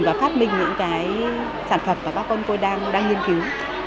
và phát minh những cái sản phẩm mà các con tôi đang nghiên cứu